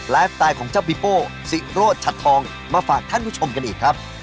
สไตล์ของเจ้าปีโป้สิโรธชัดทองมาฝากท่านผู้ชมกันอีกครับ